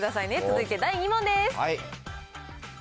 続いて第２問です。